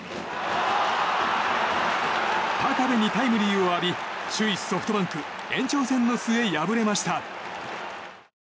高部にタイムリーを浴び首位ソフトバンク延長戦の末、敗れました。